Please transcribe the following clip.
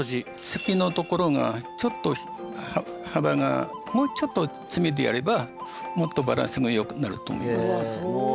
月のところがちょっと幅がもうちょっと詰めてやればもっとバランスがよくなると思います。